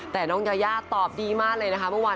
แต่น้องยาย่าตอบดีมากเลยนะคะ